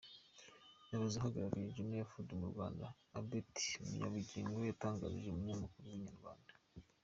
Umuyobozi uhagarariye Jumia Food mu Rwanda, Albert Munyabugingo yatangarije umunyamakuru wa Inyarwanda.